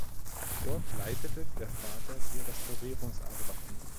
Dort leitete der Vater die Restaurierungsarbeiten.